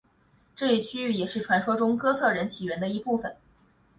这一区域也是传说中哥特人起源的一部分。